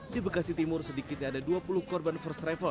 di bekasi timur sedikitnya ada dua puluh korban first travel